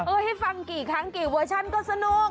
ให้ฟังกี่ครั้งกี่เวอร์ชันก็สนุก